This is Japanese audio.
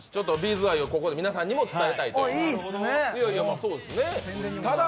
’ｚ愛をここで皆さんにも伝えたいと。